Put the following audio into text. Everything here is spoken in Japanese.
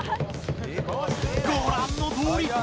ご覧のとおり！